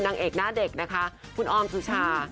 นางเอกหน้าเด็กนะคะคุณออมสุชา